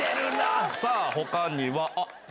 さぁ他にはあっ！